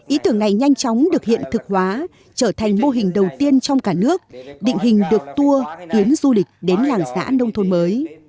ý tưởng này nhanh chóng được hiện thực hóa trở thành mô hình đầu tiên trong cả nước định hình được tour tuyến du lịch đến làng xã nông thôn mới